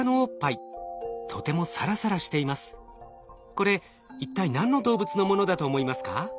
これ一体何の動物のものだと思いますか？